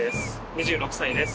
２６歳です。